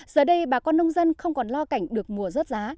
giờ đây bà con nông dân không còn lo cảnh được mùa rớt giá